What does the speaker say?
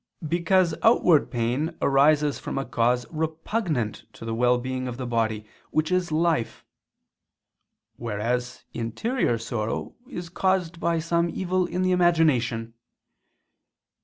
Because outward pain arises from a cause repugnant to the well being of the body in which is life: whereas interior sorrow is caused by some evil in the imagination.